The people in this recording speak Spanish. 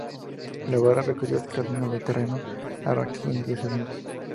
La bala recorrió ese camino de terreno iraquí en diez segundos.